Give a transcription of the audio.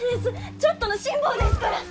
ちょっとの辛抱ですから。